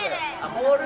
ボール